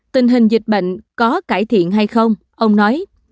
tình hình dịch bệnh có cải thiện hay không ông nói